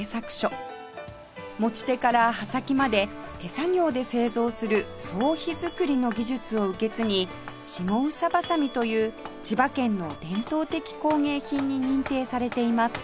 持ち手から刃先まで手作業で製造する総火造りの技術を受け継ぎ下総鋏という千葉県の伝統的工芸品に認定されています